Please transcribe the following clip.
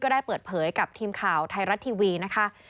ได้เปิดเผยกับทีมข่าวไทยรัฐทีวีนะคะ